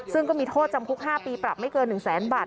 ซึ่งก็มีโทษจำคุก๕ปีปรับไม่เกิน๑แสนบาท